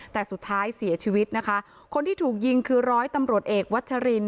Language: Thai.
แต่สุดท้ายเสียชีวิตนะคะคนที่ถูกยิงคือร้อยตำรวจเอกวัชริน